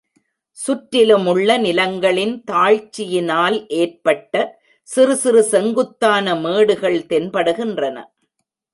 சுற்றிலுமுள்ள நிலங்களின் தாழ்ச்சியினால் ஏற்பட்ட சிறு சிறு செங்குத்தான மேடுகள் தென்படுகின்றன.